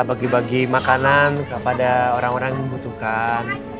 bagi bagi makanan kepada orang orang yang membutuhkan